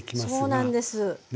そうなんです。